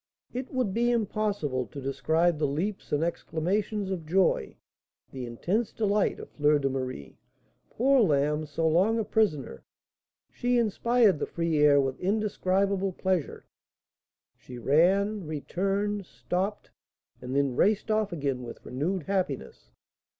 It would be impossible to describe the leaps and exclamations of joy, the intense delight, of Fleur de Marie. Poor lamb! so long a prisoner, she inspired the free air with indescribable pleasure. She ran, returned, stopped, and then raced off again with renewed happiness.